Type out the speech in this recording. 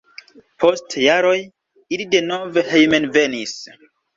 Post jaroj ili denove hejmenvenis.